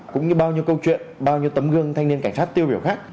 cũng như bao nhiêu câu chuyện bao nhiêu tấm gương thanh niên cảnh sát tiêu biểu khác